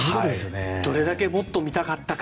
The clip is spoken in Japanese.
どれだけもっと見たかったか。